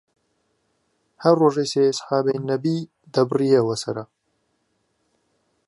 هەر ڕوژەی سێ ئەسحابەی نەبی دەبڕیەوە سەرە